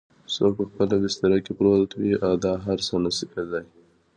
څوک په خپله بستره کې پروت وي دا هر څه نه شي کیدای؟